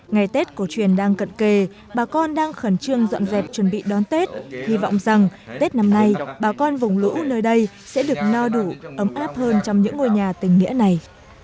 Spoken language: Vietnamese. ngày tết cổ truyền đang cận kề bà con đang khẩn trương dọn dẹp chuẩn bị đón tết hy vọng rằng tết năm nay bà con vùng lũ nơi đây sẽ được no đủ ấm áp hơn trong những ngôi nhà tình nghĩa này